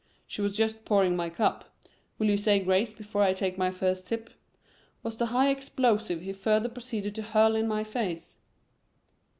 "She was just pouring my cup. Will you say grace before I take my first sip?" was the high explosive he further proceeded to hurl in my face.